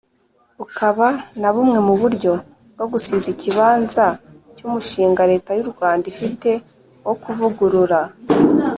bukaba na bumwe mu buryo bwo gusiza ikibanza cy'umushinga Leta y'U Rwanda ifite wo kuvugurura